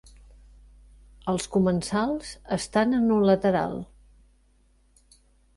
Els comensals estan en un lateral.